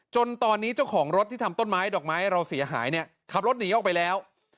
จนตอนนี้เจ้าของรถที่ทำต้นไม้ดอกไม้เราเสียหายเนี่ยขับรถหนีออกไปแล้ว